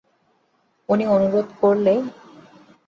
উনি অনুরোধ করলে না বলতে পারবেন না।